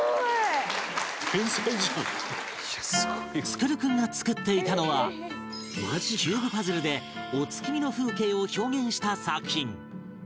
創君が作っていたのはキューブパズルでお月見の風景を表現した作品